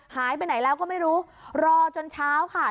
หายไปไหนแล้วก็ไม่รู้รอจนเช้าค่ะ